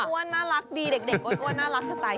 น่ารักดีเด็กอ้วนน่ารักสไตล์